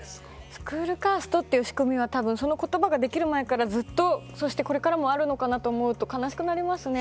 スクールカーストという仕組みはそのことばができる前からそして、これからもちょっとあるのかと思うと悲しくなりますね。